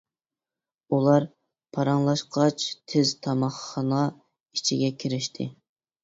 ئۇلار پاراڭلاشقاچ تىز تاماقخانا ئىچىگە كىرىشتى.